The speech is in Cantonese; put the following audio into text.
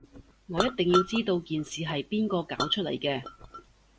我一定要知道件事係邊個搞出嚟嘅